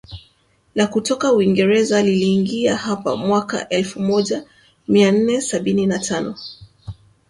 la kutoka Uingereza liliingia hapa mwaka elfumoja mianane sabini na tano